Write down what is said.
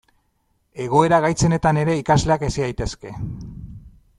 Egoera gaitzenetan ere ikasleak hezi daitezke.